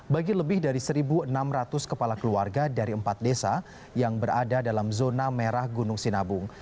bagi lebih dari satu enam ratus kepala keluarga dari empat desa yang berada dalam zona merah gunung sinabung